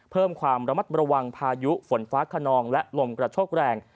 เพิ่มความระมัดระวังพายุฝนฟ้าขนองและลมกระโชกแรง